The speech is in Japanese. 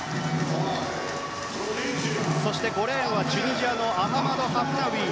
そして５レーンはチュニジアのアハメド・ハフナウイ。